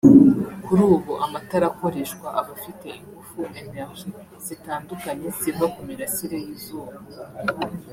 Kuri ubu amatara akoreshwa aba afite ingufu (Energie) zitandukanye ziva ku mirasire y’izuba